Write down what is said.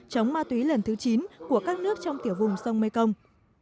chống ma túy lần thứ chín của các nước trong tiểu vùng sông mekong